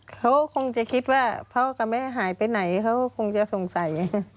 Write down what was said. เขาคงจะคิดว่าพ่อกับแม่หายไปไหนเขาคงจะสงสัย